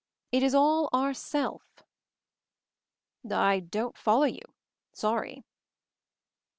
It is all 'ourself .'" "I don't follow you — sorry."